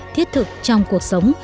thiết thực trong cuộc sống